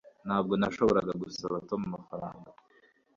Ntabwo nashoboraga gusaba Tom amafaranga